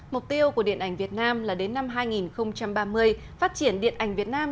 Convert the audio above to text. mục tiêu của điện ảnh việt nam là đến năm hai nghìn ba mươi phát triển điện ảnh việt nam